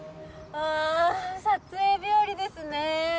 あーあ、撮影日和ですね。